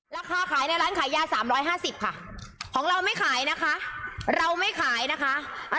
ราคาขายในร้านขายยา๓๕๐ค่ะของเราไม่ขายนะคะเราไม่ขายนะคะ